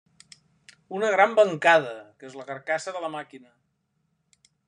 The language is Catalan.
Una gran bancada que és la carcassa de la màquina.